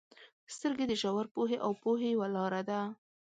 • سترګې د ژور پوهې او پوهې یوه لاره ده.